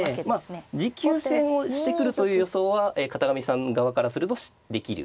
持久戦をしてくるという予想は片上さん側からするとできる。